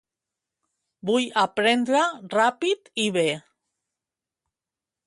Vull aprendre ràpid i bè.